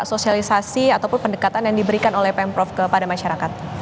apa spesialisasi ataupun pendekatan yang diberikan oleh pm prof kepada masyarakat